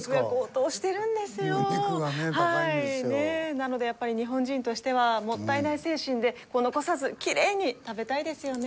なのでやっぱり日本人としてはもったいない精神で残さずきれいに食べたいですよね。